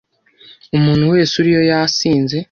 umuntu wese uriyo yasinze”